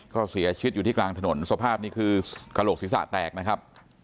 ก็เสียชีวิตอยู่ที่กลางถนนสภาพนี้คือกระโหลกศีรษะแตกนะครับ